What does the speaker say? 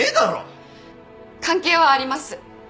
関係はあります。